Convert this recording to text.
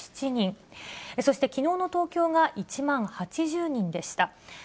そして、きのうの東京が１万８０人でした。